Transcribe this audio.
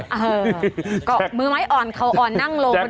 เออเกาะมือไม้อ่อนเขาอ่อนนั่งลง